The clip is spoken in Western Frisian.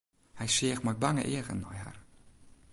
Hy seach mei bange eagen nei har.